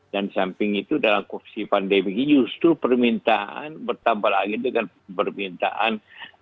dan samping itu dalam kondisi pandemi ini justru permintaan bertambah lagi dengan permintaan